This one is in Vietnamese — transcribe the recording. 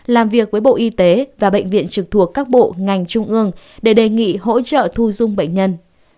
làm việc với bộ y tế và bệnh viện trực thuộc các bộ ngành trung ương để đề nghị hỗ trợ thu dung bệnh nhân